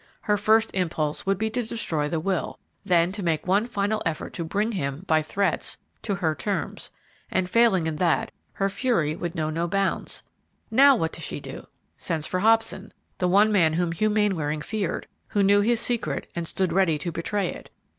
Her first impulse would be to destroy the will; then to make one final effort to bring him, by threats, to her terms, and, failing in that, her fury would know no bounds. Now, what does she do? Sends for Hobson, the one man whom Hugh Mainwaring feared, who knew his secret and stood ready to betray it.